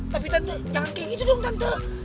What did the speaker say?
tapi tante jangan kayak gitu dong tante